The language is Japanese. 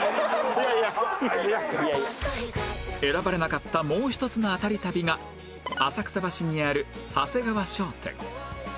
選ばれなかったもう一つのアタリ旅が浅草橋にある長谷川商店